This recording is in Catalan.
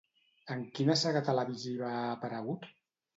En quina saga televisiva ha aparegut?